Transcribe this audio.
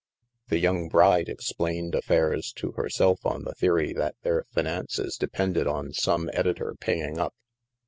The young bride explained affairs to herself on the theory that their finances depended on some edi tor paying up.